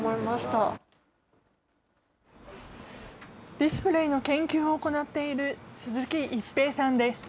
ディスプレーの研究を行っている、鈴木一平さんです。